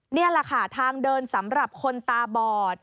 นี่แหละค่ะทางเดินสำหรับคนตาบอด